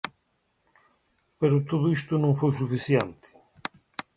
Pero todo isto non foi suficiente.